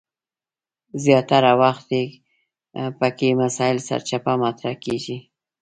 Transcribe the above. زیاتره وخت پکې مسایل سرچپه مطرح کیږي.